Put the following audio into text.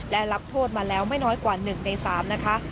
และรับโทษมาแล้วไม่น้อยกว่า๑ใน๓นะคะ